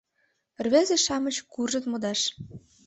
Рвезе-шамыч куржыт модаш.